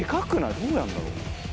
どうやるんだろう？